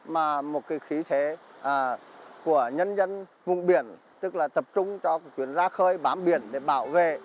mà một cái khí thế của nhân dân vùng biển tức là tập trung cho chuyến ra khơi bám biển để bảo vệ